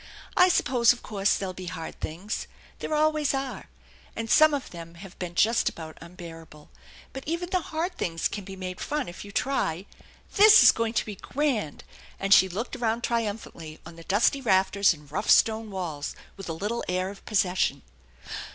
I suppose of course there'll be hard things. There always are, and some of them have been just about unbearable, but even the hard things can be made fun if you try. This is going to be grand !" and she looked around triumphantly on the dusty rafters and rough stone walls with a little air of possession.